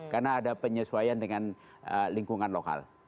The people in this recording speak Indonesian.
karena ada penyesuaian dengan lingkungan lokal